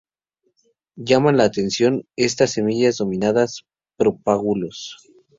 Llaman la atención estas semillas denominadas propágulos.